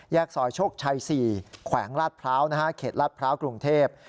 ซอยโชคชัย๔แขวงลาดพร้าวเขตลาดพร้าวกรุงเทพ